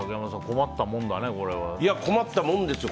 困ったもんですよ。